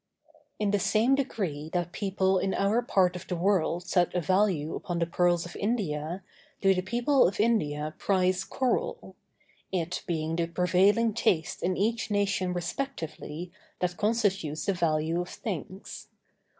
In the same degree that people in our part of the world set a value upon the pearls of India do the people of India prize coral: it being the prevailing taste in each nation respectively that constitutes the value of things.